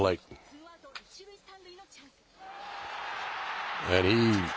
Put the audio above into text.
ツーアウト１塁３塁のチャンス。